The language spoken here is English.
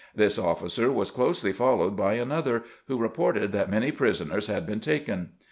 This officer was closely followed by another, who reported that many prisoners had been taken.